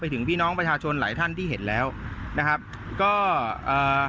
ถึงพี่น้องประชาชนหลายท่านที่เห็นแล้วนะครับก็เอ่อ